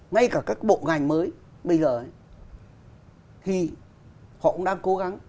ngay cả các bộ ngành mới bây giờ thì họ cũng đang cố gắng